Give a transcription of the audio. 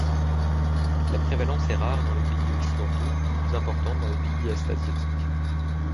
La prévalence est rare dans les pays occidentaux, plus importante dans les pays est-asiatiques.